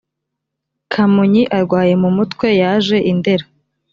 kamonyi arwaye mu mutwe yaje i ndera